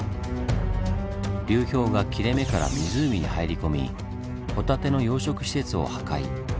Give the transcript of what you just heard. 流氷が切れ目から湖に入り込みホタテの養殖施設を破壊。